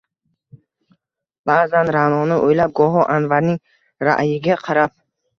Ba’zan Ra’noni o’ylab, goho Anvarning ra’yiga qarab